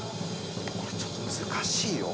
これちょっと難しいよ。